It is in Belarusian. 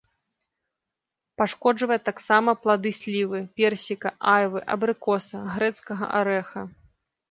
Пашкоджвае таксама плады слівы, персіка, айвы, абрыкоса, грэцкага арэха.